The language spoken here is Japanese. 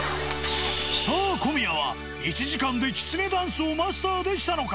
さあ、小宮は１時間できつねダンスをマスターできたのか。